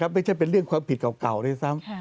ไม่ใช่เป็นเรื่องความผิดเก่าด้วยซ้ำ